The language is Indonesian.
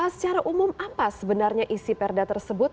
secara umum apa sebenarnya isi perda tersebut